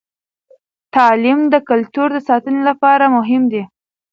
تعلیم د کلتور د ساتنې لپاره مهم دی.